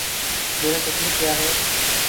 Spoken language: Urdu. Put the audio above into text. میرا قصور کیا ہے؟